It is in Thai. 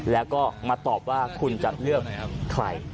แล้วก็มาตอบว่าคุณจะเลือกใคร